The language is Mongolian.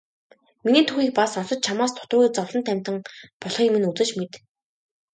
Миний түүхийг бас сонсож чамаас дутуугүй зовлонт амьтан болохыг минь үзэж мэд.